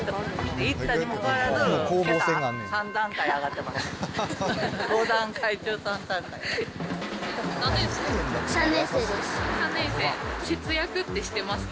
言ったにもかかわらず、けさ３段階上がってました。